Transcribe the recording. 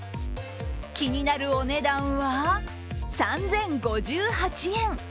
気になるお値段は３０５８円。